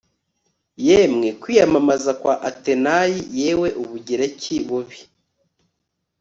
yemwe kwiyamamaza kwa atenayi, yewe ubugereki bubi